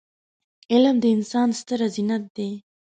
علم د انسان ستره زينت دی.